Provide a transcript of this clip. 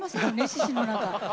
獅子の中。